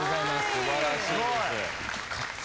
素晴らしいです。